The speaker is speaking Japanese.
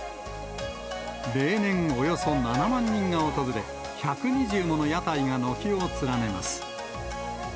例年、およそ７万人が訪れ、１２０もの屋台が軒を連ねます。